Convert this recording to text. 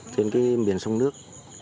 trên cái biển sông nước